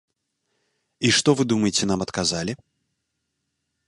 І што вы думаеце нам адказалі?